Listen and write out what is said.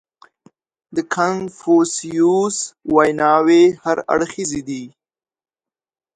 • د کنفوسیوس ویناوې هر اړخیزې دي.